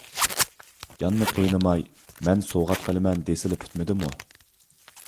جاننى قىينىماي، مەن سوۋغات قىلىمەن دېسىلا پۈتمىدىمۇ؟!